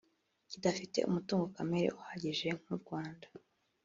kidafite umutungo kamere uhagije nk’u Rwanda